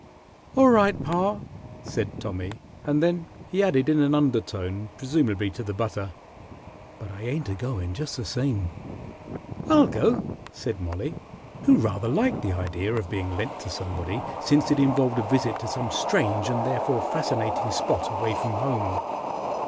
"All right, pa," said Tommy; and then he added in an undertone, presumably to the butter, "But I ain't a goin', just the same." "I'll go," said Mollie, who rather liked the idea of being lent to somebody, since it involved a visit to some strange and therefore fascinating spot away from home.